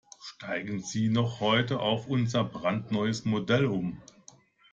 Steigen Sie noch heute auf unser brandneues Modell um!